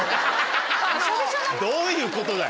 どういうことだよ？